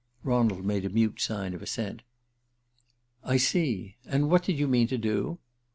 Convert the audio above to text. Ronald made a mute sign of assent. "I see. And what did you mean to do?"